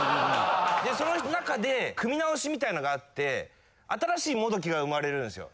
その中で組み直しみたいのがあって新しいもどきが生まれるんすよ。